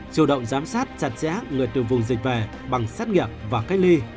chủ động giám sát chặt chẽ người từ vùng dịch về bằng xét nghiệm và cách ly